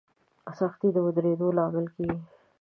سختي د ودرېدو لامل کېږي.